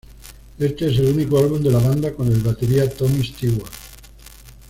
Este es el único álbum de la banda con el batería Tommy Stewart.